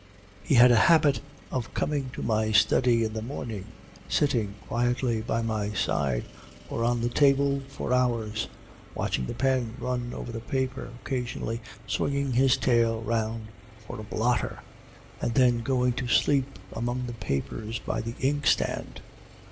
He had a habit of coming to my study in the morning, sitting quietly by my side or on the table for hours, watching the pen run over the paper, occasionally swinging his tail round for a blotter, and then going to sleep among the papers by the inkstand.